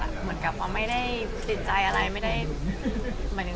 เหมือนกับว่าไม่ได้ติดใจอะไร